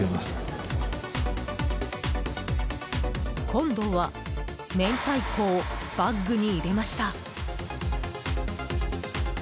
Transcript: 今度は明太子をバッグに入れました。